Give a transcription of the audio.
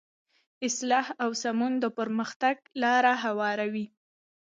اصلاح او سمون د پرمختګ لاره هواروي.